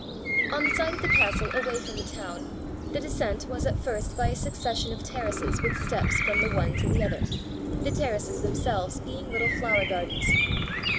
On the side of the castle away from the town, the descent was at first by a succession of terraces with steps from the one to the other, the terraces themselves being little flower gardens.